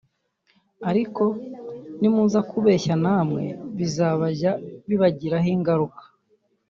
ariko nimuza kubeshya namwe bizajya bibagiraho ingaruka